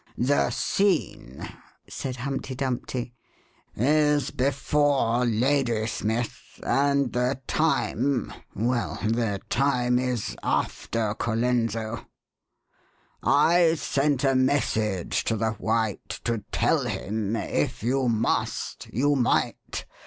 "The scene," said Humpty Dumpty, is Before Ladysmith, and the time — well, the time is After Colenso : I sent a message to the White To tell him — if you must^ you might.